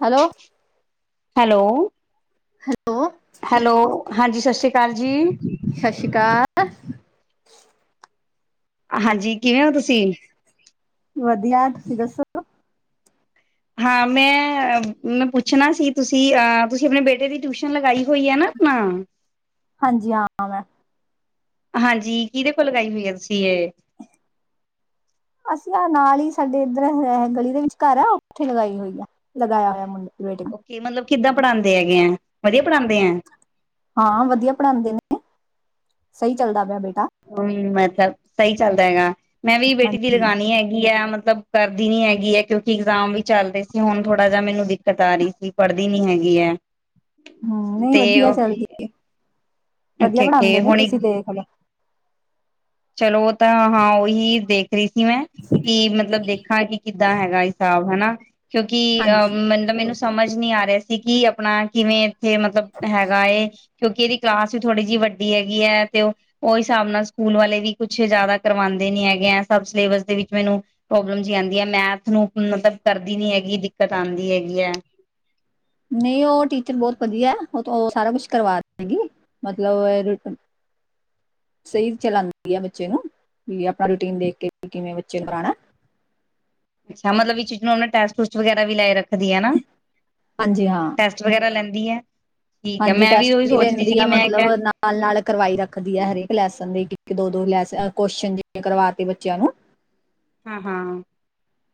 Hello, hello. Hello. ਹਾਂਜੀ sorry ਸਸ਼ ਰੀ ਕਾਲ। [unintelligible] ਹਾਂਜੀ, ਕਿਵੇਂ ਹੋ ਤੁਸੀਂ? ਵਧੀਆ, ਤੁਸੀਂ ਦੱਸੋ। ਹਾਂ, ਮੈਂ ਅ ਮੈਂ ਪੁੱਛਣਾ ਸੀ ਤੁਸੀਂ ਅਹ ਤੁਸੀਂ ਆਪਣੇ ਬੇਟੇ ਦੀ ਟਿਊਸ਼ਨ ਲਗਾਈ ਹੋਈ ਆ ਨਾ ਤਾਂ ਹਾਂਜੀ, ਕਿਹਦੇ ਕੋਲ ਲਗਾਈ ਹੋਈ ਹੈ ਤੁਸੀਂ ਇਹ ਸੀ ਨਾਲ ਹੀ ਸਾਡੇ ਇੱਧਰ ਗਲੀ ਦੇ ਵਿੱਚ ਘਰ ਆ ਉੱਥੇ ਲਗਾਈ ਹੋਈ ਆ, ਲਗਾਇਆ ਹੋਇਆ ਮੁੰਡਾ ਓਕੇ ਮਤਲਬ ਕਿੱਦਾਂ ਪੜ੍ਹਾਂਦੇ ਹੈਗੇ ਆ, ਵਧੀਆ ਪੜ੍ਹਾਂਦੇ ਐ। ਹਾਂ, ਵਧੀਆ ਪੜ੍ਹਾਂਦੇ ਨੇ ਸਹੀ ਚੱਲਦਾ ਪਿਆ ਬੇਟ ਹੂੰ, ਮਤਲਬ ਸਹੀ ਚੱਲਦਾ ਹੈਗਾ। ਮੈਂ ਵੀ ਬੇਟੀ ਦੀ ਹਾਂਜੀ। ਲਗਾਣੀ ਹੈਗੀ ਆ ਮਤ ਮਤਲਬ ਕਰਦੀ ਨੀ ਹੈਗੀ ਹੈ ਕਿਉਂਕਿ ਇਗਜ਼ਾਮ ਵੀ ਚੱਲਦੇ ਸੀ, ਹੁਣ ਥੋੜਾ ਜਾ ਮੈਨੂੰ ਦਿੱਕਤ ਆ ਰਹੀ ਸੀ ਪੜ੍ਹਦੀ ਨੀ ਹੈਗੀ ਐ। ਹਮ ਨਹੀਂ ਵਧੀਆ ਚੱਲਦੀ ਵਧੀਆ ਓਕੇ-ਓਕੇ ਪੜ੍ਹਾਉਂਦੇ ਨੇ ਹੁਣ ਤੁਸੀਂ ਦੇਖ ਲਓ ਚਲੋ ਤਾਂ ਹਾਂ ਉਹੀ ਦੇਖ ਰਹੀ ਸੀ ਮੈਂ ਕਿ ਮਤਲਬ ਦੇਖਾਂ ਕਿ ਕਿੱਦਾਂ ਹੈਗਾ ਹਿਸਾਬ ਹਨਾ ਹ ਕਿਉਂਕਿ ਅਹ ਹਾਂਜੀ ਮਤਲਬ ਮੈਨੂੰ ਸਮਝ ਨਹੀਂ ਆ ਰਿਹਾ ਕੀ ਆਪਣਾ ਕਿਵੇਂ ਇੱਥੇ ਮਤਲਬ ਹੈਗਾ ਕਿਉਂਕਿ ਇਹਦੀ ਕਲਾਸ ਵੀ ਥੋੜੀ ਜਿਹੀ ਵੱਡੀ ਹੈਗੀ ਹੈ ਤੇ ਉਹ ਉਹ ਹਿਸਾਬ ਨਾਲ ਸਕੂਲ ਵਾਲੇ ਵੀ ਕੁਛ ਜਿਆਦਾ ਕਰਵਾਉਂਦੇ ਨੀ ਹੈਗੇ ਹੈ ਸਭ ਸਿਲੇਬਸ ਦੇ ਵਿੱਚ ਮੈਨੂੰ ਪ੍ਰੋਬਲਮ ਆਉਂਦੀ ਹੈ ਮੈਥ ਨੂੰ ਮਤਲਬ ਕਰਦੀ ਨੀ ਹੈਗੀ ਦਿੱਕਤ ਆਉਂਦੀ ਹੈਗੀ ਹੈ ਨਹੀਂ ਉਹ ਟੀਚਰ ਬਹੁਤ ਵਧੀਆ ਉਹ ਉਹ ਸਾਰਾ ਕੁਛ ਕਰਵਾ ਦੇਗੀ ਮਤਲਬ ਸਹੀ ਚਲਾਉਂਦੀ ਹੈ ਬੱਚੇ ਨੂੰ ਵੀ ਆਪਣਾ ਰੂਟੀਨ ਦੇਖ ਕੇ ਕਿਵੇਂ ਬੱਚੇ ਨੂੰ ਆਉਣਾ ਅੱਛਾ ਮਤਲਬ ਚੀਜ਼ ਨੂੰ ਟੈਸ ਟੂਸ ਵਗੈਰਾ ਵੀ ਲੈ ਰੱਖਿਆ ਦੀ ਨਾ ਹਾਂਜੀ ਹਾਂ ਟੈਸਟ ਵਗੈਰਾ ਲੈਂਦੀ ਹੈ ਠੀਕ ਹੈ ਹਾਂਜੀ ਮੈਂ ਟੈਸਟ ਉਹੀ ਵੀ ਸੋਚਦੀ ਸੀ ਲੈਂਦੀ ਕਿ ਆ ਮੈਂ ਮਤਲਬ ਕਿਹਾ ਨਾਲ ਨਾਲ ਕਰਵਾਈ ਰੱਖਦੀ ਹੈ ਹਰੇਕ ਲੈਸ ਦੇ ਦੋ ਦੋ ਲੈਸ ਕੁਸ਼ਚਨ ਜਿਵੇ ਕਰਵਾਤੇ ਬੱਚਿਆਂ ਨੂੰ ਹਾਂ ਹਾਂ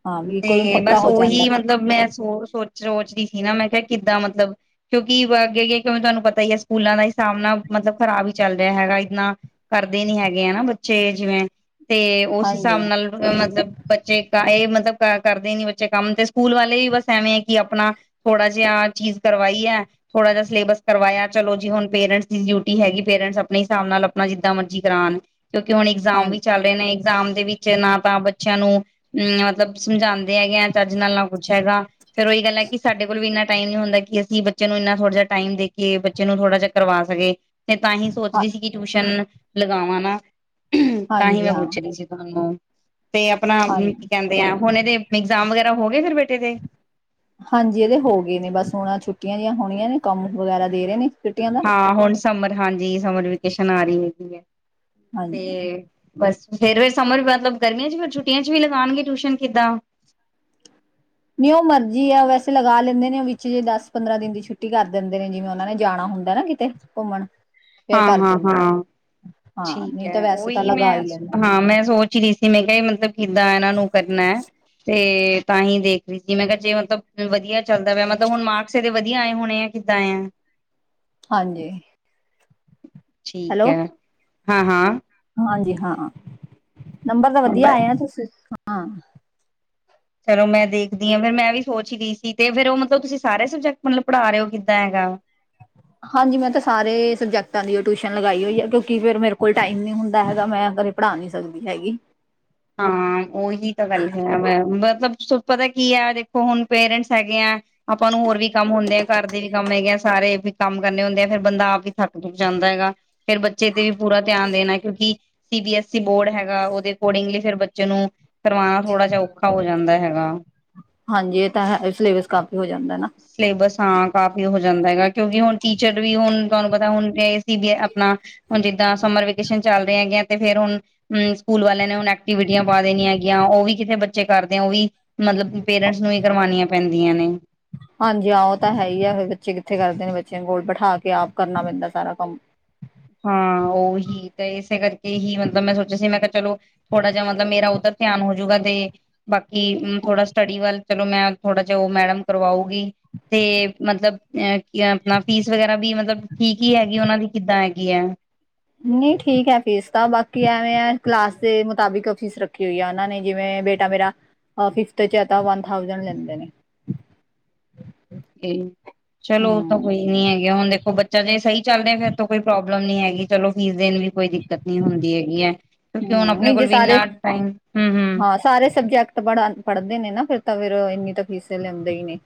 ਹਾਂ ਵੀ ਕੋਲੋਂ ਤੇ ਪੱਕਾ ਬਸ ਹੋ ਜਾਂਦਾ ਉਹੀ ਮਤਲਬ ਮੈਂ ਸੋ ਸੋਚ ਸੋਚ ਸੀ ਨਾ ਮੈਂ ਕਿਹਾ ਕਿੱਦਾਂ ਮਤਲਬ ਕਿਉਂਕਿ ਅੱਗੇ ਅੱਗੇ ਕਿਵੇਂ ਤੁਹਾਨੂੰ ਪਤਾ ਹੀ ਹੈ ਸਕੂਲਾਂ ਦਾ ਹੀ ਸਾਹਮਣਾ ਮਤਲਬ ਖ਼ਰਾਬ ਹੀ ਚੱਲ ਰਿਹਾ ਹੈਗਾ ਇਏਦਨਾ ਕਰਦੇ ਨੀ ਹੈਗੇ ਹਨਾ ਬੱਚੇ ਜਿਵੇਂ ਤੇ ਉਸ ਹਾਂਜੀ ਹਿਸਾਬ ਹਾਂਜੀ ਨਾਲ ਮਤਲਬ ਬੱਚੇ ਕਏ ਮਤਲਬ ਕਰਦੇ ਨੀ ਬੱਚੇ ਕੰਮ ਤੇ ਸਕੂਲ ਵਾਲੇ ਵੀ ਬਸ ਐਵੇਂ ਹੈ ਕਿ ਆਪਣਾ ਥੋੜਾ ਜਿਹਾਹ ਚੀਜ਼ ਕਰਵਾਈ ਹੈ ਥੋੜਾ ਜਹਾ ਸਿਲੇਬਸ ਕਰਵਾਇਆ ਚਲੋ ਜੀ ਹੁਣ ਪੇਰੈਂਟਸ ਦੀ ਡਿਊਟੀ ਹੈਗੀ ਪੇਰੈਂਟਸ ਆਪਣੇ ਹਿਸਾਬ ਨਾਲ ਆਪਣਾ ਜਿਦਾਂ ਮਰਜੀੀ ਕਰਾਉਣ ਕਿਉਂਕਿ ਹੁਣ ਇਗਜ਼ਾਮ ਵੀ ਹਾਂ- ਚੱਲ ਰਹੇ ਨੇ ਇਗਜ਼ਾਮ ਦੇ ਵਿੱਚ ਨਾ ਆਪਾਂ ਬੱਚਿਆਂ ਨੂੰ ਅਮ ਮਤਲਬ ਸਮਝਾਉਂਦੇ ਹੈਗੇ ਆ ਚੱਜ ਨਾਲ ਨਾ ਕੁੱਛ ਹੈਗਾ ਫੇਰ ਉਹੀ ਗੱਲ ਹੈ ਕਿ ਸਾਡੇ ਕੋਲ ਵੀ ਇੰਨਾਂ ਟਾਈਮ ਨੀ ਹੁੰਦਾ ਕਿ ਅਸੀਂ ਬੱਚੇ ਨੂੰ ਇੰਨਾ ਥੋੜਾ ਜਿਹਾ ਟਾਈਮ ਦੇ ਕੇ ਬੱਚੇ ਨੂੰ ਥੋੜਾ ਜਿ ਕਰਵਾ ਸਕੇ ਤੇ ਤਾਂ ਹੀ ਸੋਚਦੀ ਸੀ ਕਿ ਟਿਊਸ਼ਨ ਲਗਾਵਾਂ ਨਾ ਤਾਂ ਹੀ ਹਾਂਜੀ ਮੈਂ ਹਾਂ ਪੁੱਛਣੀ ਸੀ ਤੁਹਾਨੂੰ ਤੇ ਆਪਣਾ ਹਾਂਜੀ ਕੀ ਕਹਿੰਦੇ ਆ ਹੁਣ ਇਹਦੇ ਇਗਜ਼ਾਮ ਵਗੈਰਾ ਹੋਗੇ ਫਿਰ ਬੇਟੇ ਦੇ ਹਾਂਜੀ ਇਹਦੇ ਹੋ ਗਏ ਨੇ ਬਸ ਹੁਣ ਛੁੱਟੀਆਂ ਜਿਆਂ ਹੋਣੀਆਂ ਨੇ ਕੰਮ ਵਗੈਰਾ ਦੇ ਰਹੇ ਨੇ ਛੁੱਟੀਆਂ ਦਾ ਹਾਂ ਹੁਣ ਸਮਰ ਹਾਂਜੀ ਸਮਰ ਵੇਕੇਸ਼ਨ ਆ ਰਹੀ ਹੈਗੀ ਹੈ ਹਾਂਜੀ ਤੇ ਬਸ ਫੇਰ ਵੀ ਸਮਰ ਮਤਲਬ ਗਰਮੀਆਂ ਚ ਫਿਰ ਛੁੱਟੀਆਂ ਚ ਵੀ ਲਗਾਉਣਗੇ ਟਿਊਸ਼ਨ ਕਿੱਦਾਂ ਨਹੀਂੀਉਹ ਮਰਜ਼ੀ ਆ ਵੈਸੇ ਲਗਾ ਲੈਂਦੇ ਨੇ ਉਹ ਵਿੱਚ ਜੇ ਦਸ ਪੰਦਰਾਂ ਦਿਨ ਦੀ ਛੁੱਟੀ ਕਰ ਦਿੰਦੇ ਨੇ ਜਿਵੇਂ ਉਹਨਾਂ ਨੇ ਜਾਣਾ ਹੁੰਦਾ ਨਾ ਕਿਤੇ ਘੁੰਮਣ ਫੇਰ ਹਾਂ ਕਰ ਹਾਂ ਦਿੰਦੇ ਨੇ ਹਾਂ ਹਾਂ ਠੀਕ ਨਹੀਂ ਤਾਂ ਹੈ ਵੈਸੇ ਤਾਂ ਉਹੀ ਮੈਂ ਲਗਾ ਹੀ ਲੈਂਦੇ ਹਾਂ ਮੈਂ ਸੋਚ ਰਹੀ ਸੀ ਮੈਂ ਕਿਹਾ ਮਤਲਬ ਕਿੱਦਾਂ ਇਹਨਾਂ ਨੂੰ ਕਰਨਾ ਹੈ ਤੇ ਤਾਂ ਹੀ ਦੇਖ ਰਹੀ ਜੀ ਮੈਂ ਕਿਹਾ ਜੇ ਮਤਲਬ ਵਧੀਆ ਚੱਲਦਾ ਪਿਆ ਮਤਲਬ ਹੁਣ ਮਾਰਕਸ ਇਹਦੇ ਵਧੀਆ ਆਏ ਹੋਣੇ ਆ ਕਿੱਦਾਂ ਆ ਹਾਂਜੀ ਠੀਕ ਹੈਲੋ ਏ। ਹਾਂ-ਹਾਂ। ਹਾਂਜੀ ਹਾਂ ਨੰਬਰ ਤਾਂ ਵਧੀਆ ਆਏ ਆ ਤੁਸੀ ਹਾਂ। ਚਲੋ ਮੈਂ ਦੇਖਦੀ ਹਾਂ ਫੇਰ ਮੈਂ ਵੀ ਸੋਚ ਰਹੀ ਸੀ ਤੇ ਫੇਰ ਉਹ ਮਤਲਬ ਤੁਸੀਂ ਸਾਰੇ ਸਬਜੈਕਟ ਮਤਲਬ ਪੜ੍ਹਾ ਰਹੇ ਹੋ ਕਿੱਦਾਂ ਹੈਗਾ। ਹਾਂਜੀ ਮੈਂ ਤਾਂ ਸਾਰੇ ਸਬਜੈਕਟਾਂ ਦੀ ਟਿਊਸ਼ਨ ਲਗਾਈ ਹੋਈ ਆ ਕਿਉਂਕਿ ਫੇਰ ਮੇਰੇ ਕੋਲ ਟਾਈਮ ਨੀ ਹੁੰਦਾ ਹੈਗਾ ਮੈਂ ਕਦੇ ਪੜ੍ਹਾ ਨਹੀਂ ਸਕਦੀ ਹੈਗੀ। ਹਾਂ ਉਹੀ ਤਾਂ ਗੱਲ ਹੈ ਵ ਮਤਲਬ ਪਤਾ ਕੀ ਹੈ ਦੇਖੋ ਹੁਣ ਪੇਰੈਂਟਸ ਹੈਗੇ ਆ ਆਪਾਂ ਨੂੰ ਹੋਰ ਵੀ ਕੰਮ ਹੁੰਦੇ ਆ ਘਰ ਦੇ ਵੀ ਕੰਮ ਹੈਗੇ ਆ ਸਾਰੇ ਵੀ ਕੰਮ ਕਰਨੇ ਹੁੰਦੇ ਆ ਫਰ ਬੰਦਾ ਆਪ ਵੀ ਥੱਕ ਜਾਂਦਾ ਹੈਗਾ ਫੇਰ ਬੱਚੇ ਤੇ ਵੀ ਪੂਰਾ ਧਿਆਨ ਦੇਣਾ ਕਿਉਂਕਿ C B S E board ਹੈਗਾ ਉਹਦੇ ਅਕੋਰਡਿੰਗਲੀ ਫਿਰ ਬੱਚੇ ਨੂੰ ਕਰਵਾਣਾ ਥੋੜ੍ਹਾ ਜਿ ਔਖਾ ਹੋ ਜਾਂਦਾ ਹੈਗਾ। [unintelligible] ਹਾਂਜੀ ਇਹ ਤਾਂ ਹੈ ਸਿਲੇਬਸ ਕਮ ਹੋ ਜਾਂਦਾ ਨਾ ਸਿਲੇਬਸ ਹਾਂ ਕਾਫੀ ਹੋ ਜਾਂਦਾ ਹੈਗਾ ਕਿਉਂਕਿ ਹੁਣ ਟੀਚਰ ਵੀ ਹੁਣ ਤੁਹਾਨੂੰ ਪਤਾ ਹੁਣ ਸੀ ਬੀ ਵੀ ਆਪਣਾ ਹੁਣ ਜ ਦਾਂ ਸਮਰ ਵੇਕੇਸ਼ਨ ਚੱਲ ਦੇ ਹੈਗੇ ਆ ਤਾਂ ਤੇ ਫੇਰ ਹੁਣਮ ਸਕੂਲ ਵਾਲਿਆਂ ਨੇ ਹੁਣ ਐਕਟੀਵਿਟੀਆਂ ਪਾ ਦੇਣੀਆਂ ਹੈਗੀਆਂ ਉਹ ਵੀ ਕਿਥੇ ਬੱਚੇ ਕਰਦੇ ਆ ਉਹ ਵੀ ਮਤਲਬ ਪੇਰੈਂਟਸ ਨੂੰ ਹੀ ਕਰਵਾਣੀਆਂ ਪੈਂਦੀਆਂ। ਦੀਆਂ ਨੇ ਹਾਂਜੀ ਆਹ ਉਹ ਤਾਂ ਹੈ ਹੀ ਆ ਫਿਰ ਬੱਚੇ ਕਿੱਥੇ ਕਰਦੇ ਨੇ ਬੱਚਿਆਂ ਕੋਲ ਬੈਠਾਂ ਕੇ ਆਪ ਕਰਨਾ ਪੈਂਦਾ ਸਾਰਾ ਕੰਮ ਹਾਂ ਉਹੀ ਤੇ ਇਸੇ ਕਰਕੇ ਹੀ ਮਤਲਬ ਮੈਂ ਸੋਚਿਆ ਸੀ ਮੈਂ ਕਿਹਾ ਚਲੋ ਥੋੜਾ ਜਿਹਾ ਮਤਲਬ ਮੇਰਾ ਉਧਰ ਧਿਆਨ ਹੋਜੂਗਾ ਦੇ ਬਾਕੀ ਕਿ ਥੋੜਾ ਸਟੱਡੀ ਵੱਲ ਚਲੋ ਮੈਂ ਥੋੜਾ ਜਿਹਾ ਉਹ ਮੈਡਮ ਕਰਵਾਉਗੀ ਤੇ ਮਤਲਬ ਅ ਆਪਣਾ ਫੀਸ ਵਗੈਰਾ ਵੀ ਮਤਲਬ ਠੀਕ ਹੀ ਹੈਗੀ ਉਹਨਾਂ ਦੀ ਕਿੱਦਾਂ ਹੈਗ ਕੀ ਏ ਨਹੀਂ ਠੀਕ ਹੈ ਫੀਸ ਤਾਂ ਬਾਕੀ ਐਵੇਂ ਕਲਾਸ ਦੇ ਮੁਤਾਬਿਕ ਫੀਸ ਰੱਖੀ ਹੋਈ ਆ ਉਹ ਨੇ ਜਿਵੇ ਬੇਟਾ ਮੇਰਾ ਫਿਫ਼ਥ ਚ ਏ ਤਾਂ ਵਨ ਥਾਊਸੈਂਡ ਲੈਂਦੇ ਨੇ। ਚਲੋ ਉਹ ਤਾਂ ਹਮ ਕੋਈ ਨੀ ਹੈਗੇ ਹੁਣ ਦੇਖੋ ਬੱਚਾ ਜੇ ਸਹੀ ਚੱਲ ਰਿਹਾ ਫੇਰ ਤੋਂ ਕੋਈ ਪ੍ਰੋਬਲ ਲਮ ਨੀ ਹੈਗੀ ਚਲੋ ਫੀਸ ਦੇਣ ਵੀ ਕੋਈ ਦਿੱਕਤ ਨੀ ਹੁੰਦੀ ਹੈਗੀ ਹੈ ਕਿਉਂਕਿ ਹੁਣ ਆਪਣੇ ਕੋਲ ਜੇ ਵੀ ਸਾਰੇ ਇੰਨਾ ਟਾਈਮ ਹੂੰ ਹੂੰ ਹਾਂ ਸਾਰੇ ਸਬਜੈਕਟ ਪੜ ਪੜ੍ਹਦੇ ਨੇ ਨਾ ਫਿਰ ਤਾਂ ਫਿਰ ਇੰਨੀ ਤਾਂ ਫੀਸ ਤਾਂ ਲੇਂਦੇ ਇਸ ਨੇ।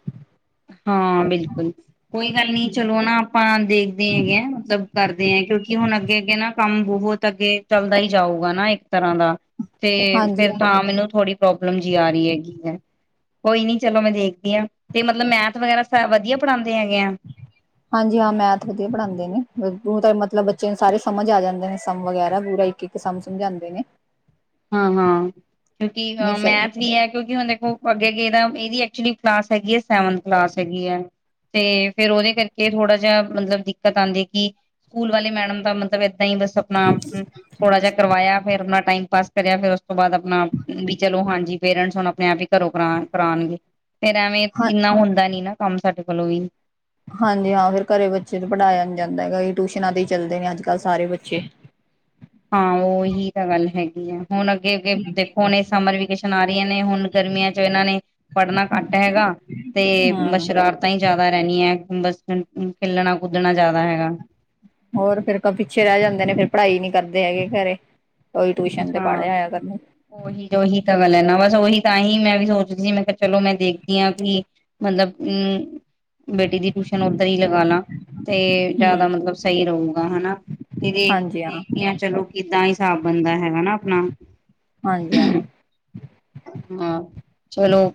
ਹਾਂ ਬਿਲਕੁਲ ਕੋਈ ਗੱਲ ਨੀ ਚਲੋ ਨਾ ਆਪਾਂ ਦੇਖਦੇ ਹੈਗੇ ਆ ਮਤਲਬ ਕਰਦੇ ਏ ਕਿਉਂਕਿ ਹੁਣ ਅੱਗੇ ਅੱਗੇ ਨਾ ਕੰਮ ਬਹੁਤ ਅੱਗੇ ਚੱਲਦਾ ਹੀ ਜਾਊਗਾ ਨਾ ਇੱਕ ਤਰ੍ਹਾਂ ਦਾ ਤੇ ਹਾਂਜੀ ਫਿਰ ਤਾਂ ਮੈਨੂੰ ਥੋੜੀ ਪ੍ਰੋਬਲਮ ਜਿ ਆ ਰਹੀ ਹੈਗੀ ਐਂ। ਕੋਈ ਨੀ ਚਲੋ ਮੈਂ ਦੇਖਦੀ ਹਾਂ ਤੇ ਮਤਲਬ ਮੈਂ ਥ ਵਗੈਰਾ ਸ ਵਧੀਆ ਪੜ੍ਹਾਦ ਹਾਂਜੀ ਹਾਂ ਮੈਥ ਵਧੀਆ ਪੜਾਦੇ ਨੇ ਦੇ ਤਾਂ ਮਤਲਬ ਬੱਚੇ ਨੂੰ ਸਾਰੇ ਸਮਝ ਆ ਜਾਂਦੇ ਨੇ ਸਮ ਵਗੈਰਾ ਪੂਰਾ ਇੱਕ ਇੱਕ ਸਮ ਸਮਝਾਦੇ ਨੇ। ਹਾਂ ਹਾਂ ਕਿਉਂਕਿ ਅਹ ਨਹੀਂ ਸਹੀ ਮੈਥ ਵੀ ਹੈ ਕਿਉਂਕਿ ਹੁਣ ਦੇਖੋ ਅੱਗੇ ਗਦਾ ਇਹਦੀ ਐਕਚੁਲੀ ਕਲਾਸ ਹੈਗੀ ਹੈ ਸੈਵਨਥ ਕਲਾਸ ਹੈਗੀ ਹੈ ਤੇ ਫੇਰ ਉਹਦੇ ਕਰਕੇ ਥੋੜਾ ਜਿ ਮਤਲਬ ਦਿੱਕਤ ਆਉਂਦੀ ਹੈ ਕਿ ਸਕੂਲ ਵਾਲੇ ਮੈਡਮ ਦਾ ਮਤਲਬ ਦ ਹੀ ਬਸ ਆਪਣਾ ਥੋੜਾ ਜਿਹਾ ਕਰਵਾਇਆ ਫੇਰ ਆਪਣਾ ਟਾਈਮ ਪਾਸ। ਕਰਿਆ ਫਿਰ ਉਸ ਤੋਂ ਬਾਅਦ ਆਪਣਾ ਵੀ ਚਲੋ ਹਾਂਜੀ ਪੇਰੈਂਟਸ ਹੁਣ ਆਪਣੇ ਆਪ ਹੀ ਘਰੋਂ ਕਰ ਕਰਾਉਣਗੇ। ਫੇਰ ਐਵੇਂ ਹਾਂ ਇੰਨਾ ਹੁੰਦਾ ਨੀ ਨਾ। ਕੰਮ ਸਾਡੇ ਕੋਲੋਂ ਵੀ ਹਾਂਜੀ ਹਾਂ ਫਿਰ ਘਰੇ ਬੱਚੇ ਤੋਂ ਪੜ੍ਹਾਇਆ ਨ ਜਾਂਦਾ ਹੈਗਾ ਕਿ ਟਿਊਸ਼ਨਾਂ ਤੇ ਹੀ ਚੱਲਦੇ ਨੇ ਅੱਜ ਕੱਲ੍ਹ ਸਾਰੇ ਬੱਚੇ ਹਾਂ ਉਹੀ ਤਾਂ ਗੱਲ ਹੈਗੀ ਆ। ਹੁਣ ਅੱਗੇ ਅੱਗੇ ਦੇਖੋ ਹੁਣੇ ਸਮਰ ਵੀਕੇਸ਼ਨ ਆ ਰਹੀਆਂ ਨੇ ਹੁਣ ਗਰਮੀਆਂ ਚ ਇਹਨਾਂ ਨੇ ਪੜ੍ਹਨਾ ਘੱਟ ਹੈਗਾ ਤੇ ਹਮ ਸ਼ਰਾਰਤਾਂ ਹੀ ਜ਼ਿਆਦਾ ਰਹਿਣੀਆਂ ਬਸ ਖਲਣਾ ਕੁਦਣਾ ਜ਼ਿਆਦਾ ਹੈਗਾ। ਹੋਰ ਫੇਰ ਪਿੱਛੇ ਰਹਿ ਜਾਂਦੇ ਨੇ ਫੇਿਰ ਪੜ੍ਹਾਈ ਨਹੀਂੀ ਕਰਦੇ ਹੈਗੇ ਘਰੇ। ਉਹੀ ਟਿਊਸ਼ਨ ਤੇ ਪੜ੍ਹ ਹਾਂ ਆਇਆ ਕਰਨ ਉਹੀ ਉਹੀ ਤਾਂ ਗੱਲ ਹੈ ਨਾ ਬਸ ਉਹੀ ਤਾਂ ਹੀ ਮੈਂ ਵੀ ਸੋਚਦੀ ਸੀ ਮੈਂ ਕਿਹਾ ਚਲੋ ਮੈਂ ਦੇਖਦੀ ਹਾਂ ਵੀ ਮਤਲਬ ਅਮ ਬੇਟੀ ਦੀ ਟਊਸ਼ਨ ਉੱਧਰ ਹੀ ਲਗਾ ਲਾ ਤੇ ਜ਼ਿਆਦਾ ਹਮ ਮਤਲਬ ਸਹੀ ਰਹੇਗਾ ਹਨਾ ਤੇ ਦੇਖ ਹਾਂਜੀ ਹਾਂ ਦੇਖਦੇ ਹ ਚਲੋ ਕਿੱਦਾਂ ਹਿਸਾਬ। ਬੰਦਾ ਹੈਗਾ ਨਾ ਆਪਣਾ ਹਾਂਜੀ ਹਾਂ ਹਾਂ ਚਲੋ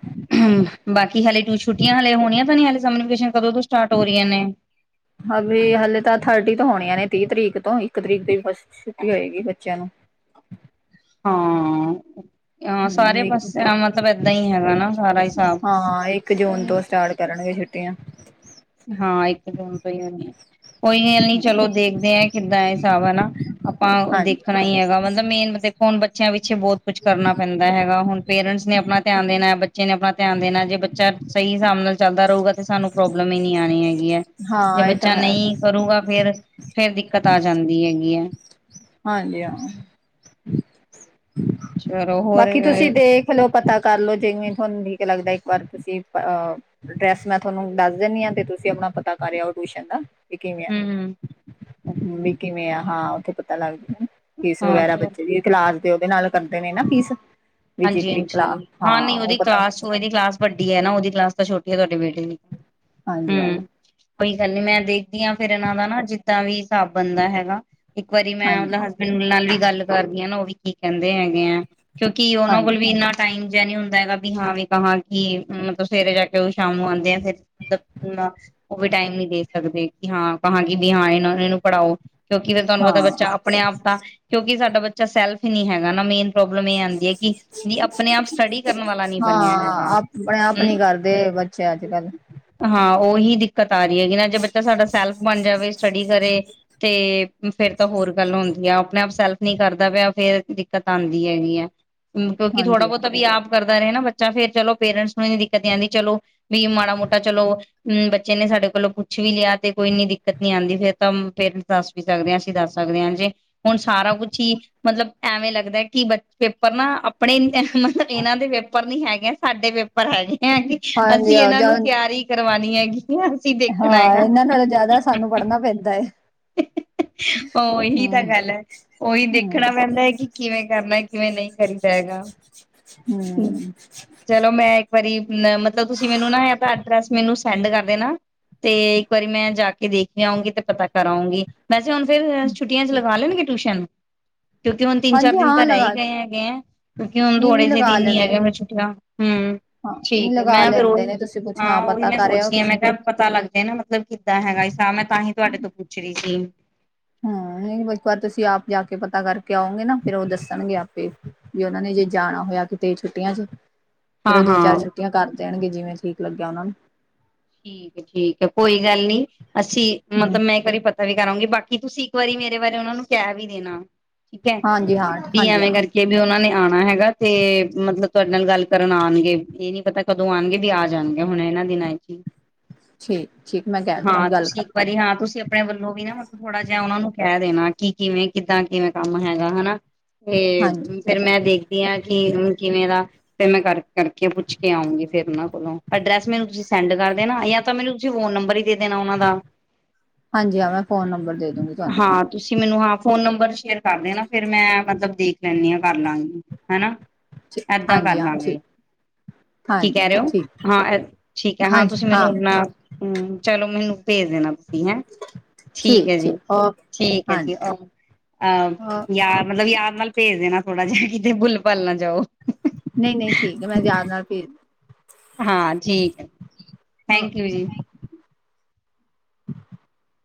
ਬਾਕੀ ਹਲੇੇ ਤੂੰ ਛੁੱਟੀਆਂ ਹਲੇ ਹੋਣੀਆਂ ਬਣੀੇ ਸਕੇਸ਼ਨ ਹ ਵੀੀ ਹਲੇ ਤਾਂ ਥਰਟੀ ਤੋਂ ਹੋਣੀਆਂ ਨੇ ਤੀਹ ਤਰੀਕ ਤੋਂ ਇੱਕ ਤਰੀਕ ਦੀ ਬਸ ਛੁੱਟੀ ਹੋਏਗੀ ਬੱਚਿਆਂ ਨੂੰ ਹਾਂ। ਹਾਂ ਹਮ ਸਾਰੇ ਇੱਕ ਪਾਸਿਆ ਮਤਲਬ ਏਦਾਂ ਹੀ ਹੈਗਾ ਨਾ ਸਾਰਾ ਹਿਸਾਬ ਤੇ ਆ। ਹਾਂ ਇੱਕ ਦੋਨ ਤੋਂ ਹੀ ਹੋ ਕੋਈ ਗੱਲ ਨੀ ਚਲੋ ਦੇਖਦੇ ਆ ਕਿੱਦਾਂ ਹਿਸਾਬ ਹਨਾ ਆਪਾਂ ਹਾਂਜੀ ਦੇਖਣਾ ਹੀ ਹੈਗਾ ਮਤਲਬ ਮੇਨ ਫੋਣ ਬੱਚਿਆਂ ਪਿੱਛੇ ਬਹੁਤ ਕੁਛ ਕਰਨਾ ਪੈਂਦਾ ਹੈਗਾ ਹੁਣ ਪੇਰੈਂਟਸ ਨੇ ਆਪਣਾ ਧਿਆਨ ਦੇਣਾ ਬੱਚੇ ਨੇ ਆਪਣਾ ਧਿਆਨ ਦੇਣਾ ਜੇ ਬੱਚਾ ਸਹੀ ਹਿਸਾਬ ਨਾਲ ਚੱਲਦਾ ਰਹਹੇਗਾ ਤੇ ਸਾਨੂੰ ਪ੍ਰੋਬਲਮ ਨੀ ਆਉਣੀ ਹੈਗੀ ਹੈ ਜੇ ਹਾਂ ਇਹ ਤਾਂ ਬੱਚਾ ਹੈ ਨਹੀਂ ਕਰੂਗਾ ਫੇਰ ਫੇਰ ਦਿੱਕਤ ਆ ਜਾਂਦੀ ਹੈਗੀ। ਹੈ ਆ। ਹਾਂਜੀਿਆ। ਅ ਚਲੋ ਹੋਰ ਬਾਕੀ ਤੁਸੀਂ ਦੇਖ ਲਓ ਪਤਾ ਕਰਲੋ ਜਿਵੇਂ ਤੁਹਾਨੂੰ ਠੀਕ ਲੱਗਦਾ। ਪਰ ਤੁਸੀਂ ਐਡਰੈਸ ਮੈਂ ਤੁਹਾਨੂੰ ਦੱਸ ਦਦੀ ਆ ਤੁਸੀਂ ਆਪਣਾ ਪਤਾ ਕਰਯ ਟਊ ਦਾ। ਵਿੀ ਮਿਆ ਹਮ ਬਕੀ ਮਿਆ ਹਾਂ। ਲਦਾ। ਫੀਸ ਹਾਂ ਵਗੈਰਾ ਚਲੋ ਬੱਚੇ ਦੀ ਕਲਾਸ ਉਹਦੇ ਨਾਲ ਕਰਦੇ ਨੇ ਨਾ ਫੀਸ ਹਾਂਜੀ ਵਿਜਿਟ ਦੀ ਹਾਂਜੀ ਕਲਾ ਹਾਂ ਨ ਉਹ ਉਹਦੀ ਪਤਾ ਕਲਾਸ ਇਹਦੀ ਕਲਾਸ ਵੱਡੀ ਹੈ ਨਾ ਉਹਦੀ ਕਲਾਸ ਤਾਂ ਛੋਟੀ ਤੁਹਾਡੇ ਬੇਟੇ ਹਾਂਜੀ ਹਾਂ ਹੂੰ, ਕੋਈ ਗੱਲ ਨੀ ਮੈਂ ਦੇਖਦੀ ਹਾਂ ਫਿਰ ਇਹਨਾਂ ਦਾ ਨਾ ਜਿੱਦਾਂ ਵੀ ਹਾਬ ਬੰਦਾ ਹੈਗਾ ਇੱਕ ਵਾਰੀ ਮੈਂ ਹਾਂਜੀ ਮਤਲਬ ਹਸਬੈਂਡ ਨਾਲ ਵੀ ਗੱਲ ਕਰਦੀ ਹਾਂ ਨਾ ਉਹ ਵੀ ਕੀ ਕਹਿੰਦੇ ਹੈਗੇ ਆ ਕਿਉਂਕਿ ਕੀ ਉਹਨਾਂ ਕੋਲ ਹਾਂਜੀ ਵੀ ਇੰਨਾ ਟਾਈਮ ਨੀ ਹੁੰਦਾ ਹੈਗਾ ਵੀ ਹਾਂ ਵੀ ਕਹਾਂ ਕਿ ਮਤਲਬ ਸਵੇਰੇ ਜਾ ਕੇ ਉਹ ਸ਼ਾਮ ਨੂੰ ਆਉਂਦੇ ਆ ਫੇਰ ਮਤਲਬ ਉਹ ਵੀ ਟਾਈਮ ਨੀ ਦੇ ਸਕਦੇ ਕਿ ਹਾਂ ਕਾਂ ਕਿ ਵੀ ਹਾਂ ਇਹ ਨੂੰ ਪੜ੍ਹਾਓ ਕਿਉਂਕਿ ਫਿਰ ਤੁਹਾਨੂੰ ਹਾਂ ਪਤਾ ਬੱਚਾ ਆਪਣੇ ਆਪ ਦਾ ਕਿਉਂਕਿ ਸਾਡਾ ਬੱਚਾ ਬੱਚਾ ਸੈਲਫ ਹੀ ਨਹੀਂ ਹੈਗਾ ਨਾ ਮੇਨ ਪ੍ਰੋਬਲਮ ਇਹ ਆਂਦੀ ਕਿ ਜ ਆਪਣੇ ਆਪ ਸਟੱਡੀ ਕਰਨ ਵਾਲਾ ਨੀ ਬਣਿਆ ਹਾਂ ਹੈਗਾ ਆਪਣੇ ਆਪ ਹਮ ਨੀ ਕਰਦੇ ਬੱਚੇ ਅੱਜ ਕੱਲ ਹਾਂ ਉਹੀ ਦਿੱਕਤ ਸਾਰੀ ਹੈਗੀ ਨਾ ਜੇ ਬੱਚਾ ਸਾਡਾ ਸੈਲਫ ਬਣ ਜਾਵੇ ਸਟੱਡੀ ਕਰੇ ਤੇ ਫੇਰ ਤਾਂ ਹੋਰ ਗੱਲ ਹੁੰਦੀ ਆ ਆਪਣੇ ਆਪ ਸੈਲਫ ਨਹੀਂ ਕਰਦਾ ਪਿਆ ਫੇਰ ਦਿੱਕਤ ਆਉਂਦੀ ਹੈਗੀ ਆ ਕਿਉਕਿ ਥੋੜਾ ਹਾਂਜੀ ਹਾਂ, ਬਹੁਤ ਅਭ ਆਪ ਕਰ ਨਾ ਬੱਚਾ ਫੇਰ ਚਲੋ ਪੇਰੈਂਟਸ ਨੂੰ ਇੰਨੀ ਦਿੱਕਤ ਆਉਂਦੀ ਚਲੋ ਵੀ ਮਾੜਾ ਮੋਟਾ ਚਲੋ ਅਮ ਬੱਚੇ ਨੇ ਸਾਡੇ ਕੋਲੋਂ ਕੁੱਛ ਵੀ ਲਿਆ ਤੇ ਕੋਈ ਇੰਨੀ ਦਿੱਕਤ ਨੀ ਆਉਂਦੀ ਫੇਰ ਤਾਂ ਪੇਰੈਂਟਸ ਦੱਸ ਵੀ ਸਕਦੇ ਹ ਅਸੀਂ ਦੱਸ ਸਕਦੇ ਹਾਂ ਜੇ ਹੁਣ ਸਾਰਾ ਕੁਛ ਹੀ ਮਤਲਬ ਐਵੇਂ ਲੱਗਦਾ ਕਿ ਬ ਪਰ ਨਾ ਆਪਣੇ ਮਤਲਬ ਇਹਨਾਂ ਦੇ ਵੇਪਰ ਨਹੀਂ ਹੈਗੇ ਸਾਡੇ ਪਰਰ ਹੈਗੇ ਹੈਗੇ ਹਾਂਜੀ ਅਸੀਂ ਹਾਂ, ਇਹਨਾਂ ਨੂੰ ਜਾਂ ਤਿਆਰੀ ਕਰਵਾਉਣੀ ਹੈਗੀ ਅਸੀਂ ਦੇਖਣਾ ਹਾਂ ਹੈਗਾ ਇਹਨਾਂ ਨਾਲੋਂ ਜ਼ਿਆਦਾ ਸਾਨੂੰ ਪੜ੍ਹਨਾ ਪੈਂਦਾ ਹੈ ਹ ਇਹੀ ਤਾਂ ਹਮ ਗੱਲ ਹੈ ਉਹੀ ਹਮ ਦੇਖਣਾ ਪੈਂਦਾ ਹੈ ਕਿ ਕਿਵੇਂ ਕਰਨਾ ਕਿਵੇਂ ਨਹੀਂ ਕਰੀਦਾ ਹੈਗਾ ਹਮ ਚਲੋ ਮੈਂ ਇੱਕ ਵਾਰੀ ਅ ਮਤਲਬ ਤੁਸੀਂ ਮੈਨੂੰ ਨਾ ਤਾਂ ਐਡਰੈਸ ਮੈਨੂੰ ਸੈਂਡ ਕਰਦੇ ਨਾ ਤੇ ਇੱਕ ਵਾਰੀ ਮੈਂ ਜਾ ਕੇ ਦੇਖ ਕੇ ਆਊਂਗੀ ਤੇ ਪਤਾ ਕਰਾਊਂਗੀ ਮੈਂ ਚਲ ਫਿਰ ਛੁੱਟੀਆਂ ਕਰ ਲੈਣਗੇ ਟਿਊਸ਼ਨ ਕਿਉਂਕਿ ਹੁਣ ਤਿੰਨ ਚਾਰ ਹਾਂਜੀ ਦਿਨ ਹਾਂ ਤਾਂ ਰਹਿ ਹੀ ਲਗਾ ਗਏ ਹੈਗੇ ਆ ਕਿਉਂਕਿ ਹੁਣ ਨਹੀਂ ਥੋੜੇ ਨਹੀਂ ਜਿਹੇ ਲਗਾ ਦਿਨ ਨੀ ਲੈਂਦੇ ਹੈਗੇ ਮੈਂ ਛੁੱਟਿਆ ਹਮ ਹਾਂ ਠੀਕ ਹੈ ਲਗਾ ਮੈਂ ਫੇਿਰ ਲੈਂਦੇ ਉਹੀ ਨੇ ਤੁਸੀਂ ਕੁਛ ਹਾਂ ਉਹੀ ਪਤਾ ਮੈਂ ਕਰ ਰਹੇ ਹੋ ਸੋਚਦੀ ਹਾਂ ਤੁਸੀਂ ਮੈਂ ਕਿਹਾ ਪਤਾ ਲੱਗਦਾ ਨਾ ਕਿੱਦ ਹੈਗਾ ਹਿਸ ਮੈਂ ਤਾਂਹੀ ਤੁਹਾਡੇ ਤੋਂ ਪੁੱਛ ਸੀ ਹਮ ਇੱਕ ਵਾਰ ਤੁਸੀਂ ਆਪ ਜਾ ਕੇ ਪਤਾ ਕਰਕੇ ਆਓਗੇ ਨਾ ਫੇਿਰ ਉਹ ਦੱਸਣਗੇ ਆਪੇ ਵੀ ਉਹਨਾਂ ਨੇ ਜੇ ਜਾਣਾ ਹੋਇਆ ਕਿਤੇ ਛੁੱਟੀਆਂ ਚ ਫੇਰ ਹਾਂ ਉਹ ਦੋ ਚਾਰ ਹਾਂ ਛੁੱਟੀਆਂ ਕਰ ਦੇਣਗੇ ਜਿਵੇਂ ਠੀਕ ਲੱਗਿਆ ਉਹਨਾਂ ਨੂੰ ਠੀਕ ਹੈ, ਠੀਕ ਹੈ, ਕੋਈ ਗੱਲ ਨੀ ਅਸੀਂ ਮਤਲਬ ਮੈਂ ਇਕ ਵਾਰੀ ਪਤਾ ਵੀ ਕਰ ਆਵਾਂਗੀ ਬਾਕ- ਕੀ ਤੁਸੀਂ ਇੱਕ ਵਾਰੀ ਮੇਰੇ ਬਾਰੇ ਉਹਨਾ ਨੂੰ ਕਹਿ ਵੀ ਦੇਣਾ ਠੀਕ ਹੈ ਹਾਂਜੀ ਹਾਂ ਵੀ ਹਾਂਜੀ ਐਵੇਂ ਹਾਂ ਕਰਕੇ ਵੀ ਉਹਨਾ ਨੇ ਆਉਣਾ ਹੈਗਾ ਤੇ ਮਤਲਬ ਤੁਹਾਡੇ ਨਾਲ ਗੱਲ ਕਰਨ ਆਉਣਗੇ ਇਹ ਨੀ ਪਤਾ ਕਦੋਂ ਆਉਣਗੇ ਵੀ ਆ ਜਾਣਗੇ ਹੁਣ ਇਹਨਾਂ ਦਿਨਾਂ ਚ ਈ। ਠੀਕ ਠੀਕ ਮੈਂ ਕਹਿ ਹਾਂ ਦੂੰਗੀ ਗੱਲ ਤੁਸੀਂ ਕਰ ਇੱਕ ਵਾਰੀ ਹਾਂ ਤੁਸੀਂ ਆਪਣੇ ਵੱਲੋਂ ਵੀ ਨਾ ਮਤਲਬ ਥੋੜਾ ਜਿਹਾ ਉਹਨਾ ਨੂੰ ਕਹਿ ਦੇਣਾ। ਕੀ ਕਿਵੇਂ ਕਿੱਦਾਂ ਕਿਵੇਂ ਕੰਮ ਹੈਗਾ ਹੈਨਾ ਤੇ ਹਾਂਜੀ ਫੇਿਮਰ ਮੈਂ ਦੇਖਦੀ ਹਾਂ ਕਿ ਹੁਨ ਕਿਵੇਂ ਦਾ ਪਹਿਲਾਂ ਕਰ ਕਰਕੇ ਪੁੱਛ ਕੇ ਆਉਂਗੀ ਫੇਰ ਉਹਨਾਂ ਕੋਲੋਂ ਐਡਰੈਸ ਮੈਨੂੰ ਤੁਸੀਂ ਸੈਂਡ ਹੈਨਾ ਜਾਂ ਤਾਂ ਮੈਨੂੰ ਤੁਸੀਂ ਫੋਨ ਨੰਬਰ ਹੀ ਦੇ ਦੇਣਾ ਉਹਨਾਂ ਦਾ, ਹਾਂਜੀ ਹਾਂ ਮੈਂ ਫੋਨ ਨੰਬਰ ਦੇ ਦੂੰਗੀ ਤੁਹਾਨੂੰ ਹਾਂ ਹਾਂਜੀ ਤੁਸੀਂ ਮੈਨੂੰ ਹ ਫੋਨ ਨੰਬਰ ਚ ਸੇ਼ਅਰ ਕਰ ਦੇਨਾ ਫੇਿਰ ਮੈਂ ਮਤਲਬ ਦੇਖ ਲੈਂਦੀ ਹਾਂ ਕਰ ਲਾਂਗੀ। ਹੈਨਾ? ਏਦਾਂ ਕਰ ਹਾਂਜੀ ਹਾਂ ਲਾਂਗੇ। ਠੀਕ ਕੀ ਹਾਂਜੀ ਕਹਿ ਹਾਂ ਰਹੇ ਹੋ ਠੀਕ ਹਾਂ ਠੀਕ ਹੈ ਹਾਂ ਮੈਨੂੰ ਅਪਣਾ ਹੂੰ ਚੱ ਤੋ ਮੈਨੂੰ ਭੇਜ ਦੇਣਾ ਤੁਸੀਂ ਹੈਂ ਠੀਕ ਹੈ ਜੀ, ਠੀਕ ਹੈ ਜੀ, ਹਾਂਜੀ ਉਹ ਅਹ ਯਾਦ ਮਤਲਬ ਯਾਦ ਨਾਲ ਭੇਜ ਦੇਣਾ ਥੋੜਾ ਜਿਹਾ ਕਿਤੇ ਭੁੱਲ-ਭਾਲ ਨਾ ਜਾਓ। ਨਹੀਂ-ਨਹੀਂ ਠੀਕ ਹੈ ਮੈਂ ਯਾਦ ਨਾਲ ਭੇਜ ਹਾਂ ਠੀਕ ਹੈ। ਥੈਂਕ ਯੂ ਜੀ। [unintelligible]